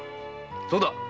そうだ。